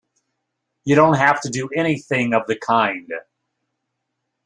You don't have to do anything of the kind!